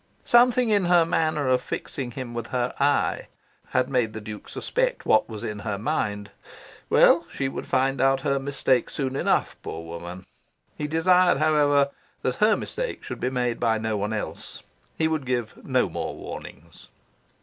Something in her manner of fixing him with her eye had made the Duke suspect what was in her mind. Well, she would find out her mistake soon enough, poor woman. He desired, however, that her mistake should be made by no one else. He would give no more warnings.